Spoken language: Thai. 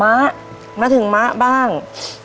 ม้ามาถึงม้าบ้าง